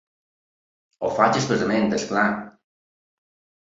Ho faig expressament, és clar.